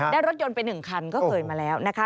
ได้รถยนต์ไป๑คันก็เคยมาแล้วนะคะ